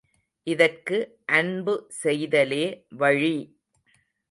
இதற்கு அன்பு செய்தலே வழி!